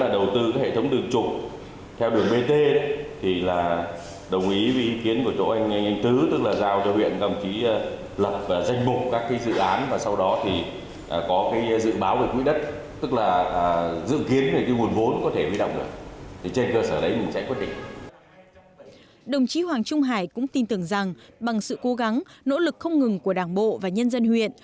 đồng chí hoàng trung hải cũng tin tưởng rằng bằng sự cố gắng nỗ lực không ngừng của đảng bộ và nhân dân huyện